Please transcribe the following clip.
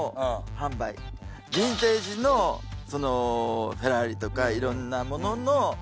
ヴィンテージのフェラーリとかいろんなものの業者さん。